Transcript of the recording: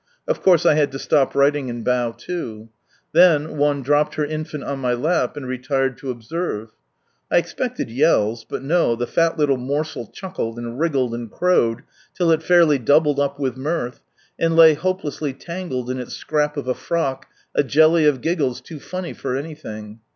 Of course I had to slop writing and bow too. Then one dropped her infant on my lap, and retired to observe. I expected yells, but no, the fat little morsel chuckled, and wriggled, and crowed, till it fairly doubled up with mirth, and lay hopelessly tangled, in its scrap of a frock, a jeliy of giggles too funny for anything.